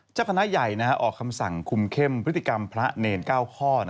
เจ้าคณะใหญ่ออกคำสั่งคุมเข้มพฤติกรรมพระเนร๙ข้อ